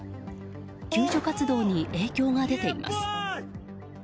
救助活動に影響が出ています。